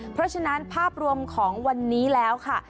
เพราะฉะนั้นภาพรวมของวันนี้แล้วค่ะ